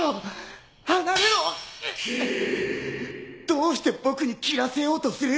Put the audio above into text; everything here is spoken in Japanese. どうして僕に斬らせようとする！？